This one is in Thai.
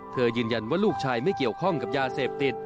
ยืนยันว่าลูกชายไม่เกี่ยวข้องกับยาเสพติด